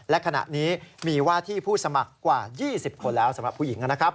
และขณะนี้มีว่าที่ผู้สมัครกว่า๒๐คนแล้วสำหรับผู้หญิงนะครับ